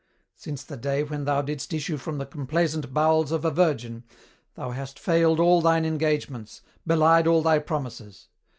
Since the day when thou didst issue from the complaisant bowels of a Virgin, thou hast failed all thine engagements, belied all thy promises.